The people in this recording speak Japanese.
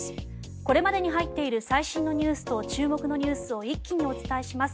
これまでに入っている最新ニュースと注目ニュースを一気にお伝えします。